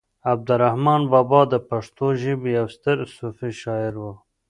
عبد الرحمان بابا د پښتو ژبې يو ستر صوفي شاعر و